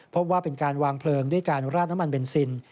พบว่าเป็นการวางเพลิงด้วยการราดน้ำมันเบนซิน